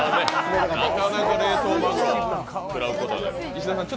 なかなか冷凍マグロ食らうことはない。